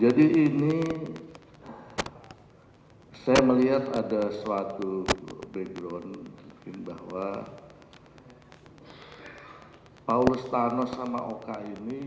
jadi ini saya melihat ada suatu background bahwa paulus tarlos sama oka ini